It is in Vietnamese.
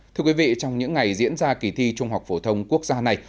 thưa quý vị trong những ngày diễn ra kỳ thi trung học phổ thông quốc gia này